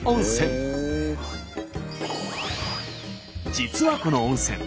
実はこの温泉